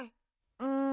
うん。